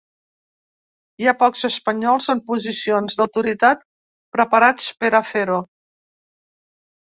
Hi ha pocs espanyols en posicions d’autoritat preparats per a fer-ho.